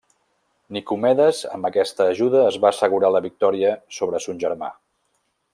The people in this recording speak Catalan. Nicomedes amb aquesta ajuda es va assegurar la victòria sobre son germà.